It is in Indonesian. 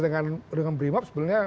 dengan brimop sebenarnya